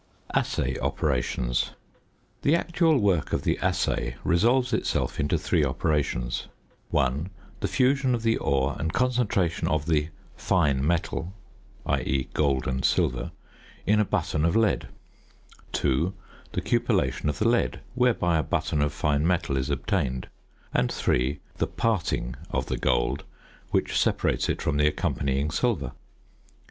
~Assay Operations.~ The actual work of the assay resolves itself into three operations: (1) The fusion of the ore and concentration of the "fine metal" (i.e., gold and silver) in a button of lead; (2) The cupellation of the lead, whereby a button of fine metal is obtained; and (3) the "parting" of the gold which separates it from the accompanying silver.